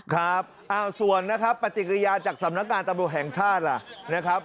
ครับส่วนนะครับปฏิกิริยาจากสำนักงานตำรวจแห่งชาติล่ะนะครับ